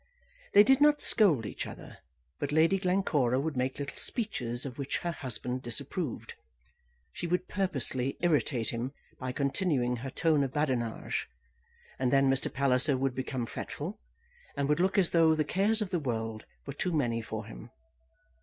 They did not scold each other; but Lady Glencora would make little speeches of which her husband disapproved. She would purposely irritate him by continuing her tone of badinage, and then Mr. Palliser would become fretful, and would look as though the cares of the world were too many for him.